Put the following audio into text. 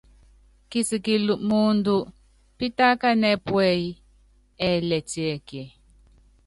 Kisikili muundɔ pitákanɛ́ puɛ́yí, ɛɛlɛ tiɛkiɛ?